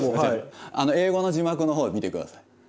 英語の字幕の方を見てください。